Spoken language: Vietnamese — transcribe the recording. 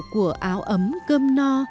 của áo ấm cơm no